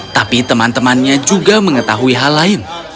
tapi teman temannya juga mengetahui hal lain